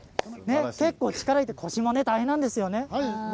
結構力がいって腰も大変なんですよね。